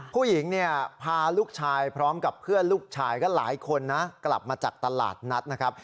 ผู้หญิงเนี่ยพาลูกชายพร้อมกับเพื่อนลูกชายก็หลายคนนะกลับมาจากตลาดนัดนะครับ